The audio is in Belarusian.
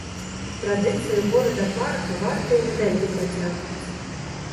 Традыцыі горада-парка варта і надалей працягваць!